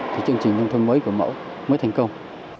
thì chương trình nông thôn mới của mẫu mới thành công